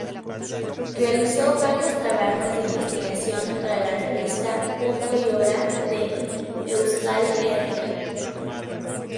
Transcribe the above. Realizó varios trabajos de investigación para la revista "Punto y Hora de Euskal Herria".